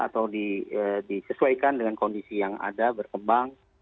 atau disesuaikan dengan kondisi yang ada berkembang